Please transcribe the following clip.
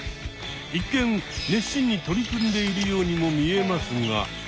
一見熱心に取り組んでいるようにも見えますが。